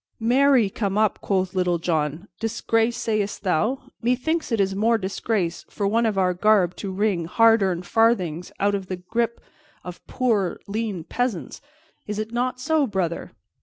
"Marry, come up!" quoth Little John. "Disgrace, sayest thou? Methinks it is more disgrace for one of our garb to wring hard earned farthings out of the gripe of poor lean peasants. It is not so, brother?"